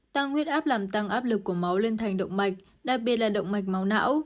tăng huyết áp làm tăng áp lực của máu lên thành động mạch đặc biệt là động mạch máu não